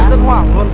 rất hoảng luôn